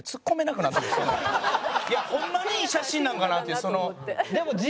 いやホンマにいい写真なのかなっていう。